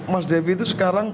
mas devi itu sekarang